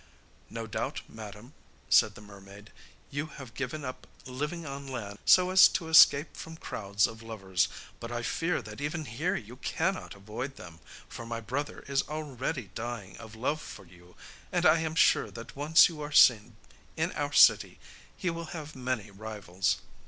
'No doubt, madam,' said the mermaid, 'you have given up living on land so as to escape from crowds of lovers; but I fear that even here you cannot avoid them, for my brother is already dying of love for you, and I am sure that once you are seen in our city he will have many rivals.